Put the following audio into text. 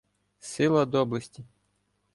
Сила доблесті.